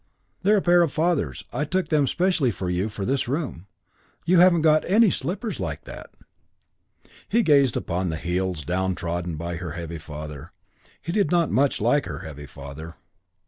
"They're a pair of father's. I took them specially for you for this room. You haven't got any slippers like that." He gazed upon the heels downtrodden by her heavy father. He did not much like her heavy father.